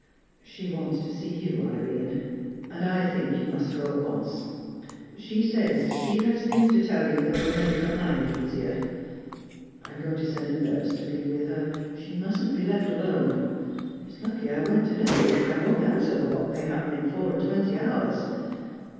She wants to see you, Irene, and I think you must go at once. She says she has things to tell you that will make her mind easier. I'm going to send a nurse to be with her: she mustn't be left alone. It's lucky I went to day. I won't answer for what may happen in four and twenty hours.